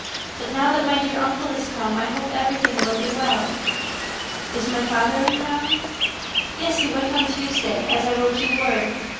"But now that my dear uncle is come, I hope everything will be well." "Is my father in town?" "Yes, he went on Tuesday, as I wrote you word."